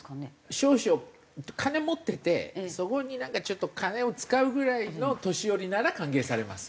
少々金持っていてそこになんかちょっと金を使うぐらいの年寄りなら歓迎されます。